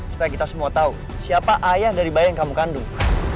supaya kita semua tahu siapa ayah dari bayi yang kamu kandung